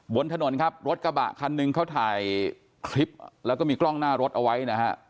บนถนนครับรถกระบะคันหนึ่งเขาถ่ายคลิปแล้วก็มีกล้องหน้ารถเอาไว้นะฮะ